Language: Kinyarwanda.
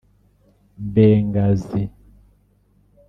Benghazi